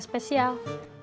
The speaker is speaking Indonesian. nasi goreng spesial